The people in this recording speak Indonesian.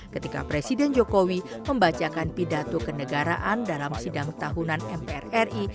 ketika presiden jokowi membacakan pidato kenegaraan dalam sidang tahunan mpr ri